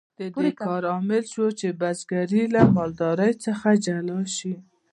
د دې کار لامل شو چې بزګري له مالدارۍ څخه جلا شي.